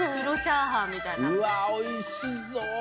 うわおいしそう！